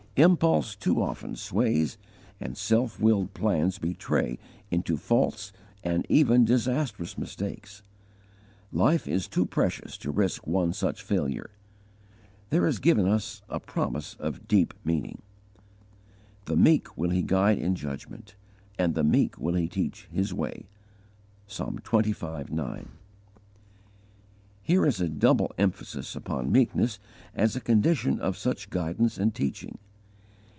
Impulse too often sways, and self willed plans betray into false and even disastrous mistakes. Life is too precious to risk one such failure. There is given us a promise of deep meaning: "The meek will He guide in judgment; And the meek will He teach His way." (Psalm xxv. 9.) Here is a double emphasis upon meekness as a condition of such guidance and teaching.